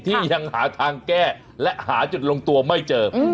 ที่ยังหาทางแก้และหาจุดลงตัวไม่เจอ